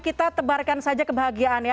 kita tebarkan saja kebahagiaan ya